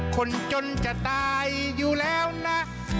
คนจนจะตายอยู่แล้วล่ะ